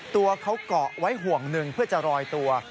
ตัวเขาเกาะไว้ห่วงหนึ่งเพื่อจะรอยตัว